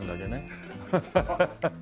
ハハハハハ。